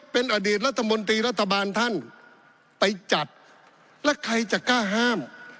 เป็นอดีตรัฐมนตรีรัฐบาลท่านไปจัดแล้วใครจะกล้าห้าม